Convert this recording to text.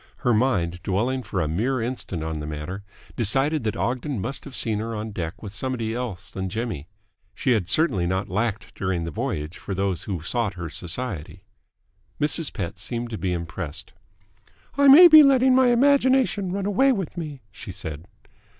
Her mind, dwelling for a mere instant on the matter, decided that Ogden must have seen her on deck with somebody else than Jimmy. She had certainly not lacked during the voyage for those who sought her society. Mrs. Pett seemed to be impressed. "I may be letting my imagination run away with me," she said.